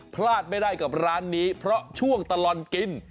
พลาดไม่ได้กับร้านนี้เพราะช่วงตลอดกิน